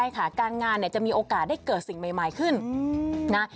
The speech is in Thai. การงานจะมีโอกาสได้เกิดสิ่งใหม่ขึ้น